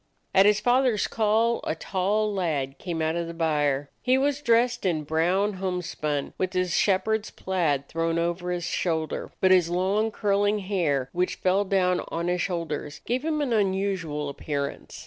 At his father's call a tall lad came out of the byre. He was dressed in brown home spun with his shepherd's plaid thrown over his shoulder, but his long curling hair, which fell down on his shoulders, gave him an unusual appearance.